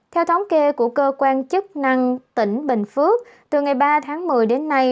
theo thống kê của cơ quan chức năng tp hcm từ ngày ba tháng một mươi đến nay